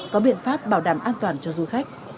có biện pháp bảo đảm an toàn cho du khách